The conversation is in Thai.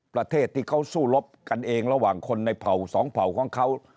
ประเทศที่เขาสู้รบกันเองระหว่างคนในเผ่าสองเผ่าของเขา